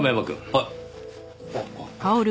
はい。